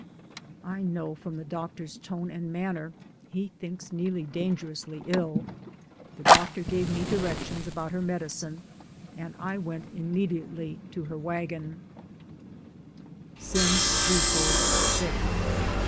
I know from the doctor's tone and man ner he thinks Neelie dangerously ill. The doctor gave me directions about her medi cine, and I went immediately to her wagon. DAYS ON THE ROAD, 173 SIM BUFORD SICK.